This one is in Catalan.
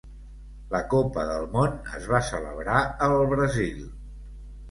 La copa del món es va celebrar al Brasil.